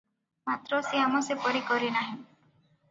ମାତ୍ର ଶ୍ୟାମ ସେପରି କରେ ନାହିଁ ।